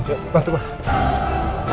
oke berhubung pak